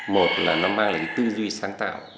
một là nó mang lại cái tư duy sáng tạo